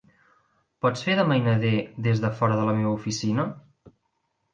Pots fer de mainader des de fora de la meva oficina?